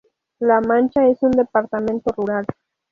La Mancha es un departamento rural.